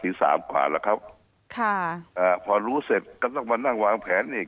สามกว่าแล้วครับค่ะอ่าพอรู้เสร็จก็ต้องมานั่งวางแผนอีก